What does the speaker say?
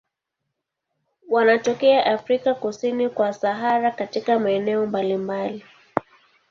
Wanatokea Afrika kusini kwa Sahara katika maeneo mbalimbali.